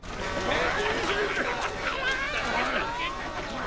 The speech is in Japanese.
えっ？